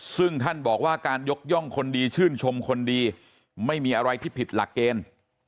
ซึ่งท่านบอกว่าการยกย่องคนดีชื่นชมคนดีไม่มีอะไรที่ผิดหลักเกณฑ์